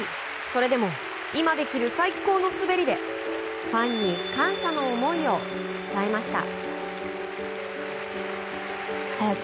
それでも今できる最高の滑りでファンに感謝の思いを伝えました。